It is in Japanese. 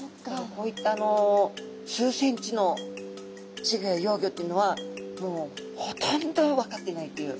こういった数センチの稚魚や幼魚というのはもうほとんど分かっていないという。